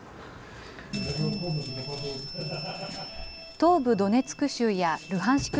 東部ドネツク州やルハンシク